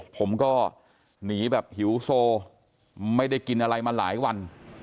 ผมก็หนีแบบหิวโซไม่ได้กินอะไรมาหลายวัน